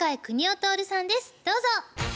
どうぞ。